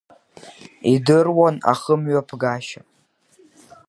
Идыруан ахымҩаԥгашьа.